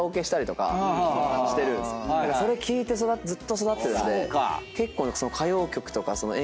それ聴いてずっと育ってるんで結構。